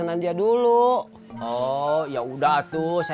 entah mana di gego bangkas